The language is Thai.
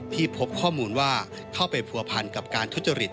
พบข้อมูลว่าเข้าไปผัวพันกับการทุจริต